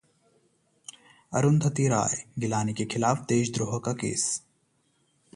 अरुंधति राय, गिलानी के खिलाफ देशद्रोह का केस